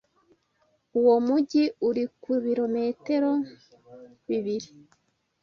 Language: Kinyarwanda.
Uwo mujyi uri ku bilometero bibiri.